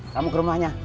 kamu ke rumahnya